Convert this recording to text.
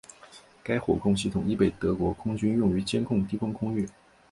该火控系统亦被德国空军用于监控低空空域。